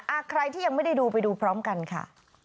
ใครที่ยังไม่ได้ดูไปดูพร้อมกันค่ะ